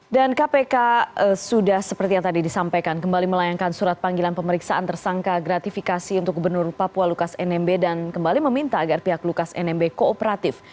dan kpk sudah seperti yang tadi disampaikan kembali melayangkan surat panggilan pemeriksaan tersangka gratifikasi untuk gubernur papua lukas nmb dan kembali meminta agar pihak lukas nmb kooperatif